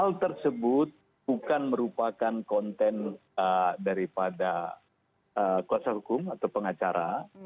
hal tersebut bukan merupakan konten daripada kuasa hukum atau pengacara